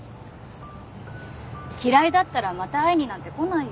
嫌いだったらまた会いになんて来ないよ。